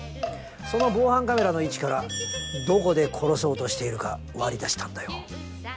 その防犯カメラの位置からどこで殺そうとしているか割り出したんだよ。